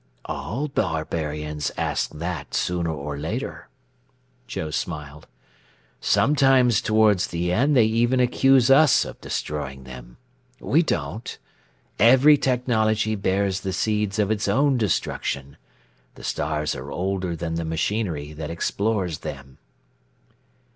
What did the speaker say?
"All barbarians ask that sooner or later," Joe smiled. "Sometimes toward the end they even accuse us of destroying them. We don't. Every technology bears the seeds of its own destruction. The stars are older than the machinery that explores them."